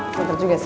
gitu juga sih